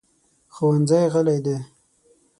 ښوونځی غلی دی.